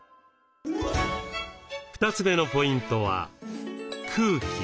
２つ目のポイントは空気。